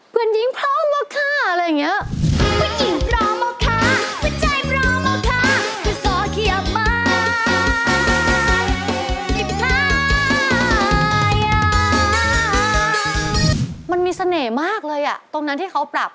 เพื่อนยิงพร้อมบ่ะค่ะอะไรอย่างเงี้ย